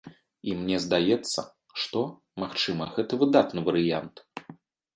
І мне здаецца, што, магчыма, гэта выдатны варыянт.